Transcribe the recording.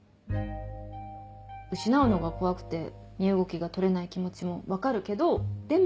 失うのが怖くて身動きが取れない気持ちも分かるけどでも。